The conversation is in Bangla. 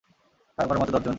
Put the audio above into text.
কারো কারো মতে দশজন।